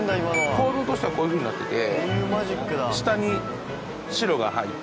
構造としてはこういうふうになってて。